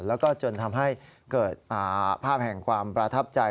แล้วก็จนทำให้เกิดภาพแห่งความประทับใจ